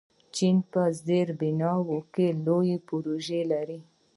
چین په زیربناوو کې لوی پروژې لري.